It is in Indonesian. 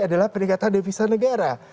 adalah peningkatan devisa negara